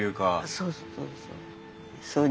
そうそう。